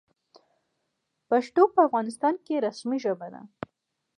پښتو په افغانستان کې رسمي ژبه ده.